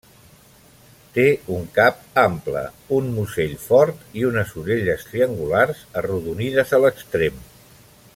Té un cap ample, un musell fort i unes orelles triangulars arrodonides a l'extrem.